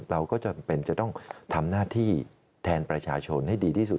เราก็จำเป็นจะต้องทำหน้าที่แทนประชาชนให้ดีที่สุด